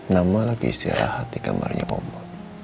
mama lagi istirahat di kamarnya oma